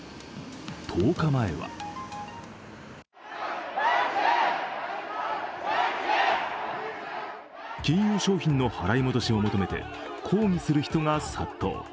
１０日前は金融商品の払い戻しを求めて抗議する人が殺到。